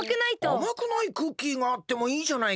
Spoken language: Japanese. あまくないクッキーがあってもいいじゃないか。